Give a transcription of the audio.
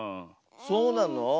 そうなの？